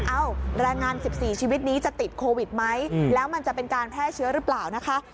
แรงงาน๑๔ชีวิตนี้จะติดโควิดไหมแล้วมันจะเป็นการแพร่เชื้อหรือเปล่านะคะ